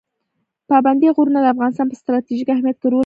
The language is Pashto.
پابندی غرونه د افغانستان په ستراتیژیک اهمیت کې رول لري.